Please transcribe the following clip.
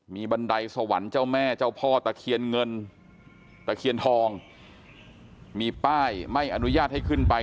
มีบันไดสวรรค์เจ้าแม่เจ้าพ่อตะเคียนเงินตะเคียนทองมีป้ายไม่อนุญาตให้ขึ้นไป